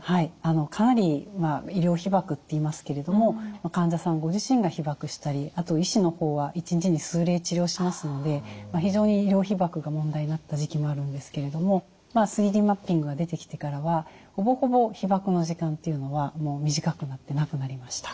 はいかなり医療被ばくっていいますけれども患者さんご自身が被ばくしたりあと医師の方は一日に数例治療しますので非常に医療被ばくが問題になった時期もあるんですけれども３Ｄマッピングが出てきてからはほぼほぼ被ばくの時間というのは短くなってなくなりました。